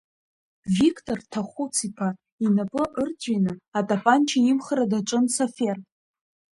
Виқтор Ҭахәыц-иԥа инапы ырҵәины, атапанча имхра даҿын Сафер.